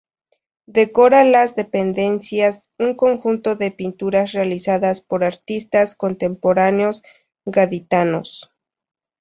Decora las dependencias un conjunto de pinturas realizadas por artistas contemporáneos gaditanos.